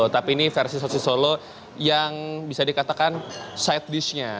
tapi ini versi sosis solo yang bisa dikatakan side disknya